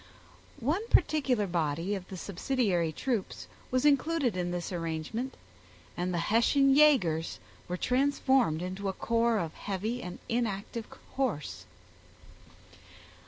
One particular body of the subsidiary troops was included in this arrange ment, and the Hessian yagers were transformed into a corps of heavy and inactive horse.